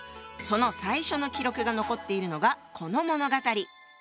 その最初の記録が残っているのがこの物語。